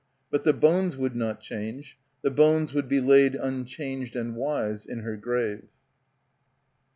But the bones would not change. The bones would be laid unchanged and wise, in her grave.